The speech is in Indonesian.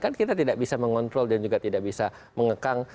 kan kita tidak bisa mengontrol dan juga tidak bisa mengekang